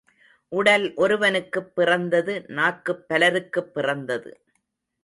உடல் ஒருவனுக்குப் பிறந்தது நாக்குப் பலருக்குப் பிறந்தது.